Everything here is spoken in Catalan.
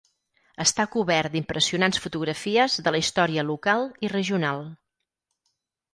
Està cobert d'impressionants fotografies de la història local i regional.